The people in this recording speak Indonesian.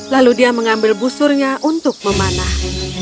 lalu dia mengambil busurnya untuk memanah